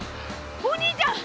お兄ちゃん！